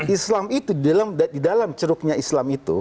islam itu di dalam ceruknya islam itu